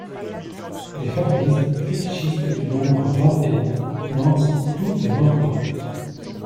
Les fabulistes fétichistes du nombre "vingt et un" lancent tous les morts-vivants.